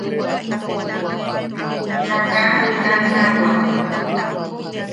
Ta kaa nannawa.